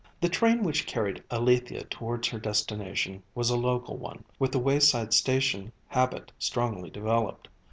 The train which carried Alethia towards her destination was a local one, with the wayside station habit strongly developed.